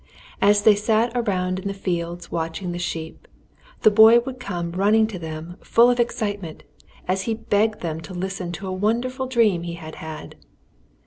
As they sat around in the fields watching the sheep, the boy would come running to them, full of excitement, as he begged them to listen to a wonderful dream he had had.